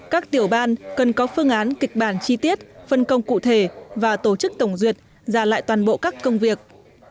các tiểu ban cần có phương án kịch bản chi tiết phân công cụ thể và tổ chức tổng duyệt giả lại toàn bộ các công việc